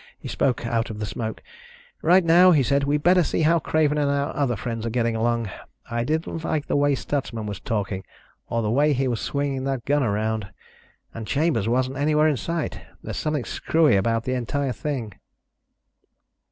He spoke out of the smoke. "Right now," he said, "we better see how Craven and our other friends are getting along. I didn't like the way Stutsman was talking or the way he was swinging that gun around. And Chambers wasn't anywhere in sight. There's something screwy about the entire thing."